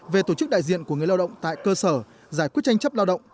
về tổ chức đại diện của người lao động tại cơ sở giải quyết tranh chấp lao động